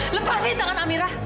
lepasin tangan amira